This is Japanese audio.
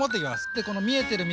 でこの見えてる水